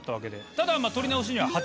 ただ。